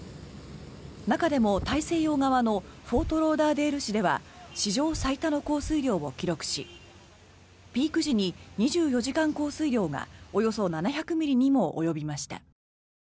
中でも大西洋側のフォートローダーデール市では史上最多の降水量を記録しピーク時に２４時間降水量がおよそ７００ミリにも及びました。